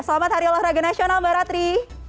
selamat hari olahraga nasional mbak ratri